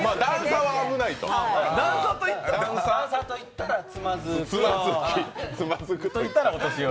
段差といったらつまずく。